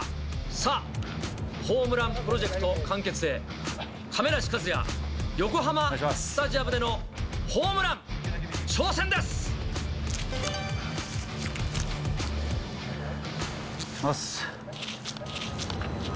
さあ、ホームランプロジェクト完結へ、亀梨和也、横浜スタジアムでのホいきます。